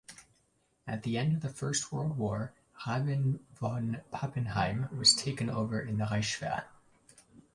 After the end of the First World War, Rabe von Pappenheim was taken over in the Reichswehr.